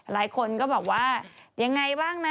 หลายคนก็บอกว่ายังไงบ้างนะ